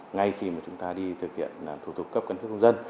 ngay khi mà chúng ta đi thực hiện thủ tục cấp căn cước công dân